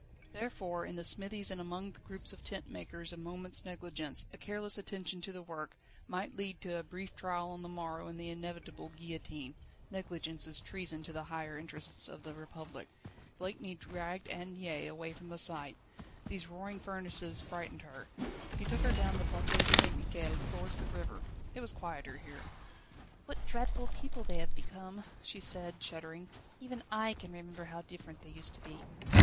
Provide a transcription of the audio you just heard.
Therefore in the smithies and among the groups of tent makers a moment's negligence, a careless attention to the work, might lead to a brief trial on the morrow and the inevitable guillotine. Negligence is treason to the higher interests of the Republic. Blakeney dragged Anne Mie away from the sight. These roaring furnaces frightened her; he took her down the Place St Michel, towards the river. It was quieter here. "What dreadful people they have become," she said, shuddering; "even I can remember how different they used to be."